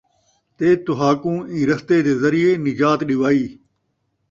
تے تُہاکوں اِیں رَستے دے ذریعے نجات ݙِیوائی